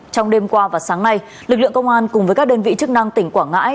trong đêm qua và sáng nay lực lượng công an cùng với các đơn vị chức năng tỉnh quảng ngãi